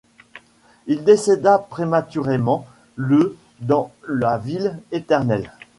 Il décéda prématurément le dans la Ville Éternelle.